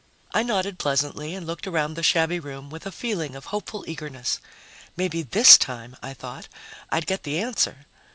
I nodded pleasantly and looked around the shabby room with a feeling of hopeful eagerness. Maybe this time, I thought, I'd get the answer.